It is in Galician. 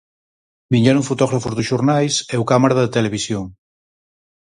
Viñeron fotógrafos dos xornais e o cámara da televisión.